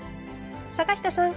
坂下さん